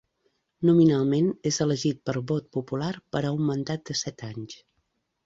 Nominalment és elegit per vot popular per a un mandat de set anys.